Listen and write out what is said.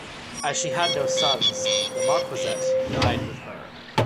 As she had no sons the marquessate died with her.